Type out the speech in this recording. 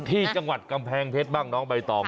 ที่จังหวัดกำแพงเพชรบ้างน้องใบตอง